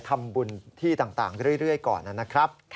ทำบุญที่ต่างเรื่อยก่อนนะครับ